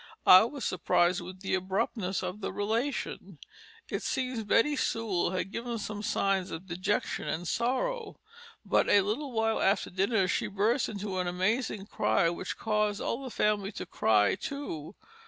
I was surprised with the Abruptness of the Relation. It seems Betty Sewall had given some signs of dejection and sorrow; but a little while after dinner she burst into an amazing cry which caus'd all the family to cry too.